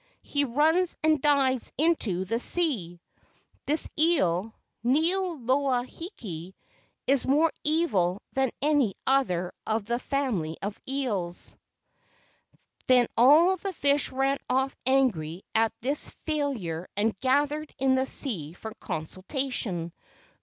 He runs and dives into the sea. This eel, Niu loa hiki, is more evil than any other of all the family of eels." Then all the fish ran off angry at this failure and gathered in the sea for consultation.